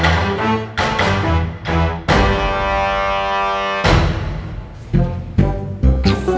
loh ini kacau